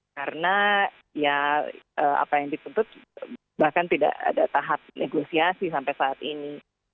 karena ya apa yang ditutup bahkan tidak ada tahap negosiasi sampai saat ini